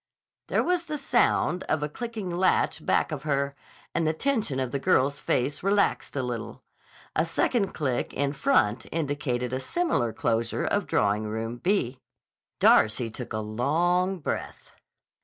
There was the sound of a clicking latch back of her, and the tension of the girl's face relaxed a little. A second click in front indicated a similar closure of Drawing Room B. Darcy took a long breath.